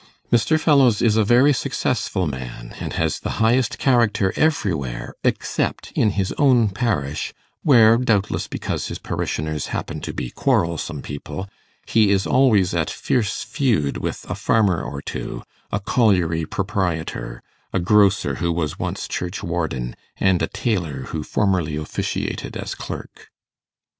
Mr. Fellowes is a very successful man, and has the highest character everywhere except in his own parish, where, doubtless because his parishioners happen to be quarrelsome people, he is always at fierce feud with a farmer or two, a colliery proprietor, a grocer who was once churchwarden, and a tailor who formerly officiated as clerk.